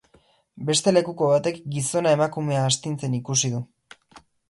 Beste lekuko batek gizona emakumea astintzen ikusi du.